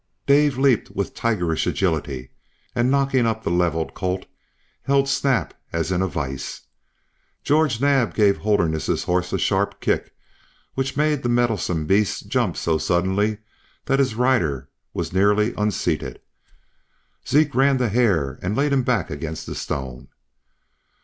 Dave leaped with tigerish agility, and knocking up the levelled Colt, held Snap as in a vise. George Naab gave Holderness's horse a sharp kick which made the mettlesome beast jump so suddenly that his rider was nearly unseated. Zeke ran to Hare and laid him back against the stone.